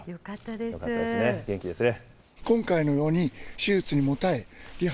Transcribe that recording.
よかったですね、元気ですね。